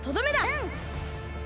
うん！